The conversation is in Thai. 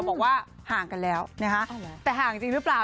บอกว่าห่างกันแล้วนะคะแต่ห่างจริงหรือเปล่า